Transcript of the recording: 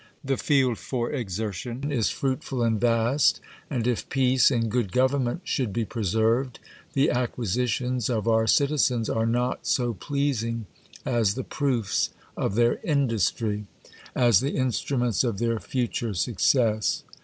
The field for exertion is fruitful and vast ; and if peace and good government should be preserved, the acquisi tions of our citizens are not so pleasing as the proofs of their industry, ;s the instruments of their future suc cess.